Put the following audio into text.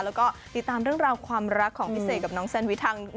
แล้วก็ติดตามเรื่องราวความรักของพี่เสกกับน้องแซนวิททาง